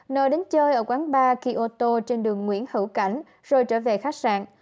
nờ đến chơi ở quán bar kyoto trên đường nguyễn hữu cảnh rồi trở về khách sạn